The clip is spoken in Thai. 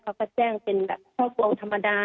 ก็แจ้งเป็นแบบข้อโปรงธรรมดา